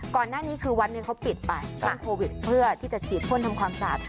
ก่อนหน้านี้คือวันหนึ่งเขาปิดไปช่วงโควิดเพื่อที่จะฉีดพ่นทำความสะอาด